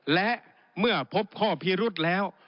และเมื่อพบข้อพิรุษแล้ว